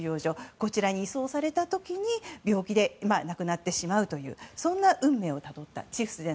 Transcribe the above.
こちらに移送された時に病気で亡くなってしまうという運命をたどったんです。